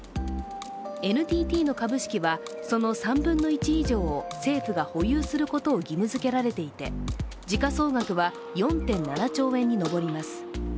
ＮＴＴの株式はその３分の１以上を政府が保有することを義務づけられていて、時価総額は４．７兆円に上ります。